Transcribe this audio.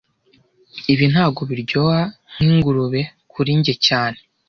Ibi ntago biryoha nkingurube kuri njye cyane